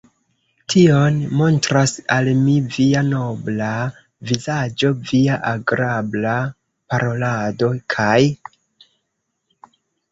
Tion montras al mi via nobla vizaĝo, via agrabla parolado kaj.